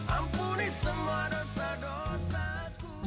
ampuni semua dosa dosaku